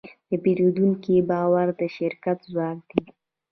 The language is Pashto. د پیرودونکي باور د شرکت ځواک دی.